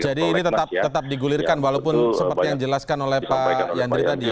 ini tetap digulirkan walaupun seperti yang dijelaskan oleh pak yandri tadi ya